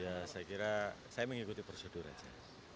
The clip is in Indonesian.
ya saya kira saya mengikuti prosedur aja